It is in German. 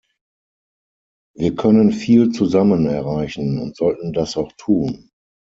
Wir können viel zusammen erreichen und sollten das auch tun.